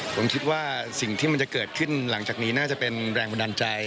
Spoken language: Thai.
ผมคิดว่าสิ่งที่มันจะเกิดขึ้นหลังจากนี้น่าจะเป็นแรงบันดาลใจ